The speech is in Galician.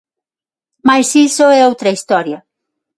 Mais iso é outra historia.